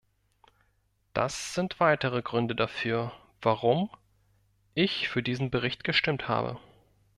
Das sind weitere Gründe dafür, warum ich für diesen Bericht gestimmt habe.